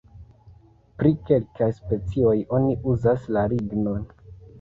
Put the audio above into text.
Pri kelkaj specioj oni uzas la lignon.